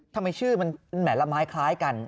ทำไมชื่อมันแหมละไม้คล้ายกัน